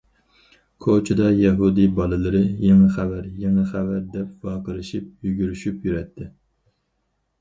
كوچىدا يەھۇدىي بالىلىرى:« يېڭى خەۋەر، يېڭى خەۋەر!» دەپ ۋارقىرىشىپ يۈگۈرۈشۈپ يۈرەتتى.